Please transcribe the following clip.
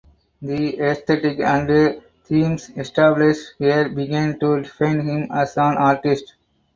The aesthetic and themes established here began to define him as an artist.